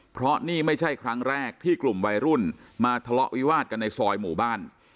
เพราะนี่ไม่ใช่ครั้งแรกที่กลุ่มวัยรุ่นมาทะเลาะวิวาดกันในซอยหมู่บ้าน